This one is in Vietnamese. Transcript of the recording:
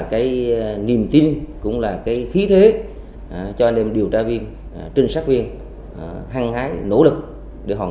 cái niềm tin cũng là cái khí thế cho nên điều tra viên trinh sát viên hăng hái nỗ lực để hoàn